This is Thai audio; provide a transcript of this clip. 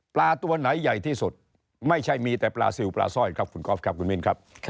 ตัวไหนใหญ่ที่สุดไม่ใช่มีแต่ปลาซิลปลาสร้อยครับคุณก๊อฟครับคุณมินครับ